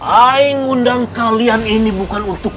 aing undang kalian ini bukan untuk